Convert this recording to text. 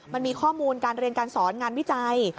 มันมีข้อมูลการเรียนการสอนงานวิจัย